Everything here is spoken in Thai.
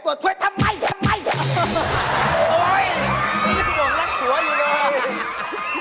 โอ๊ยนี่พี่ทงนั่งสัวอยู่เลย